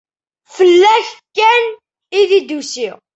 Fell-ak kan i d-usiɣ.